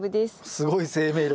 すごい生命力。